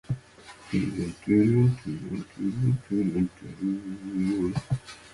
When he took over, the Indian Railways was a loss-making organization.